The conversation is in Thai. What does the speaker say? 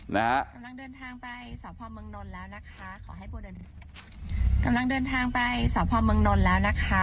กำลังเดินทางไปสพเมืองนนทบุรีแล้วนะคะ